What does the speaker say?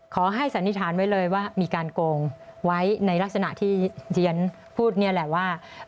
สันนิษฐานไว้เลยว่ามีการโกงไว้ในลักษณะที่ที่ฉันพูดนี่แหละว่า